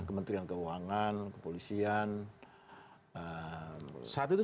kementerian keuangan kepolisian kementerian kuntan